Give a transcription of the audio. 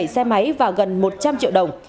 ba mươi bảy xe máy và gần một trăm linh triệu đồng